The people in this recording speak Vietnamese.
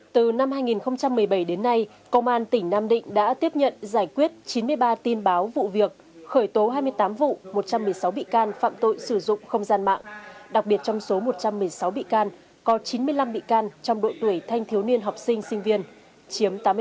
từ năm hai nghìn một mươi bảy đến nay công an tỉnh nam định đã tiếp nhận giải quyết chín mươi ba tin báo vụ việc khởi tố hai mươi tám vụ một trăm một mươi sáu bị can phạm tội sử dụng không gian mạng đặc biệt trong số một trăm một mươi sáu bị can có chín mươi năm bị can trong độ tuổi thanh thiếu niên học sinh sinh viên chiếm tám mươi ba